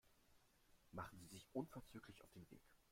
Machen Sie sich unverzüglich auf den Weg.